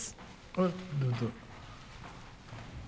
はいどうぞ。